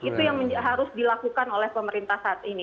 itu yang harus dilakukan oleh pemerintah saat ini